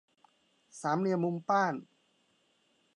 สามเหลี่ยมมุมป้าน